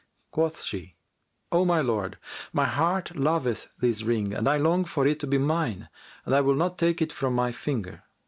Quoth she, "O my lord, my heart loveth this ring and I long for it to be mine and will not take it from my finger."